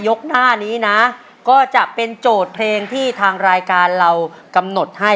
หน้านี้นะก็จะเป็นโจทย์เพลงที่ทางรายการเรากำหนดให้